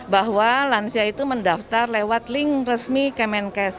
bahwa lansia itu mendaftar lewat link resmi kemenkes